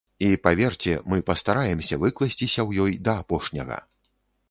І, паверце, мы пастараемся выкласціся ў ёй да апошняга.